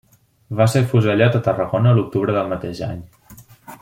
Va ser afusellat a Tarragona l'octubre del mateix any.